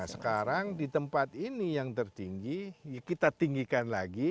nah sekarang di tempat ini yang tertinggi kita tinggikan lagi